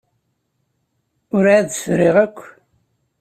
Ur εad tt-friɣ akk.